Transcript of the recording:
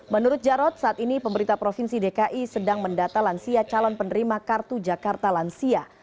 menurut jarod saat ini pemerintah provinsi dki sedang mendata lansia calon penerima kartu jakarta lansia